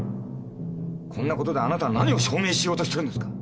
こんなことであなたは何を証明しようとしてるんですか？